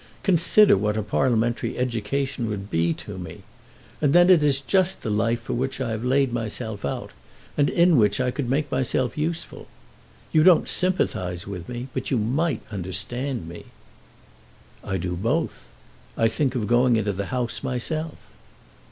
Consider what a parliamentary education would be to me! And then it is just the life for which I have laid myself out, and in which I could make myself useful. You don't sympathise with me, but you might understand me." "I do both. I think of going into the House myself."